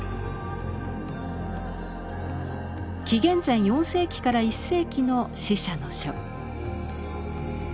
紀元前４世紀から１世紀の「死者の書」。